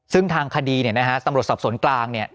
ซึ่งทางคดีตำรวจสอบสนกลาง